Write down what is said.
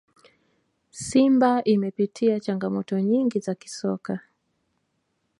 simba imepitia changamoto nyingi za kisoka